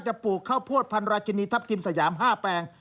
ปลูกข้าวโพดพันราชินีทัพทิมสยาม๕แปลง